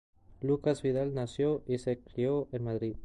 Lucas Vidal nació y se crio en Madrid.